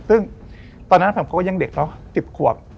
ซึ่งตอนนั้นเขาก็ยังเด็กแล้ว๑๐ขวบ